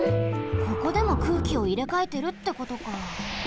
ここでも空気をいれかえてるってことか。